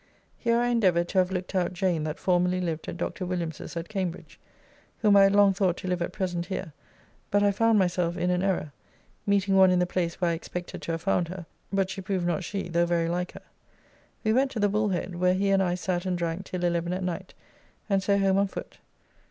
Here I endeavoured to have looked out Jane that formerly lived at Dr. Williams' at Cambridge, whom I had long thought to live at present here, but I found myself in an error, meeting one in the place where I expected to have found her, but she proved not she though very like her. We went to the Bullhead, where he and I sat and drank till 11 at night, and so home on foot.